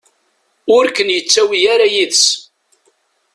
Ur ken-yettawi ara yid-s.